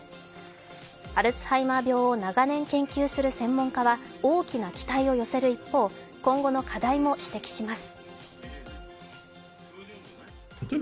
アルツハイマー病を長年研究する専門家は大きな期待を寄せる一方今後の課題も指摘します。